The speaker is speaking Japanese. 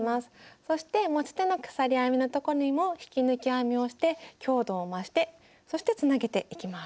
そして持ち手の鎖編みのとこにも引き抜き編みをして強度を増してそしてつなげていきます。